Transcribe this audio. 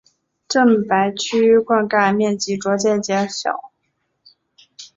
郑白渠灌溉面积逐渐减少。